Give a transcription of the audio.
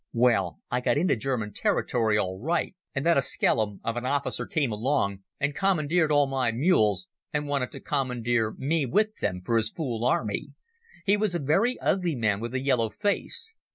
Well, I got into German territory all right, and then a skellum of an officer came along, and commandeered all my mules, and wanted to commandeer me with them for his fool army. He was a very ugly man with a yellow face."